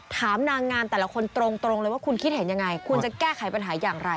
ถามนางงามแต่ละคนตรงเลยว่าคุณคิดเห็นยังไงคุณจะแก้ไขปัญหาอย่างไร